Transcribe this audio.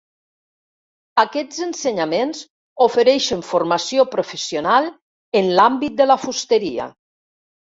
Aquests ensenyaments ofereixen formació professional en l'àmbit de la fusteria.